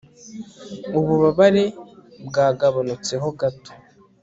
ububabare bwagabanutseho gato